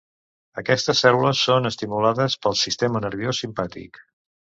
Aquestes cèl·lules són estimulades pel sistema nerviós simpàtic.